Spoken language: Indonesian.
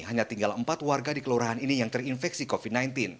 hanya tinggal empat warga di kelurahan ini yang terinfeksi covid sembilan belas